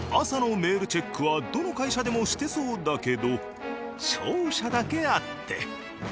朝のメールチェックはどの会社でもしてそうだけど商社だけあって。